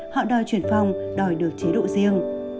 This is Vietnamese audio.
họ đòi chuyển phòng đòi được chế độ riêng